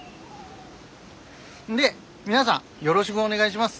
で皆さんよろしくお願いします。